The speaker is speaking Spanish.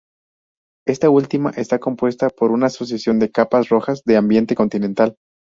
Esta última está compuesta por una asociación de capas rojas de ambiente continental.